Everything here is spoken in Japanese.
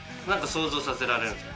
何か想像させられる。